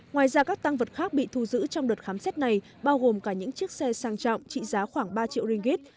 ngoài ra các tăng vật khác bị thu giữ trong đợt khám xét này bao gồm cả những chiếc xe sang trọng trị giá khoảng ba triệu ringgit